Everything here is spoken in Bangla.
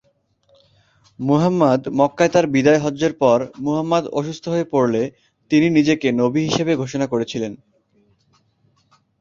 মুহাম্মাদ মক্কায় তার বিদায় হজ্জের পর মুহাম্মাদ অসুস্থ হয়ে পড়লে তিনি নিজেকে নবী হিসেবে ঘোষণা করেছিলেন।